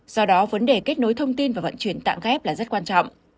do đó vấn đề kết nối thông tin và vận chuyển tạng ghép là rất quan trọng